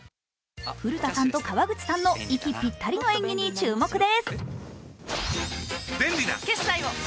古田さんと川口さんの息ぴったりの演技に注目です。